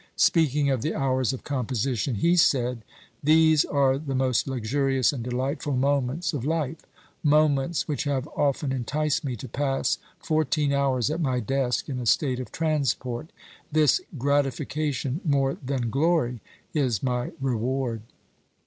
Speaking of the hours of composition he said, "These are the most luxurious and delightful moments of life: moments which have often enticed me to pass fourteen hours at my desk in a state of transport; this gratification more than glory is my reward."